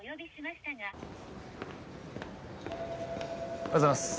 おはようございます。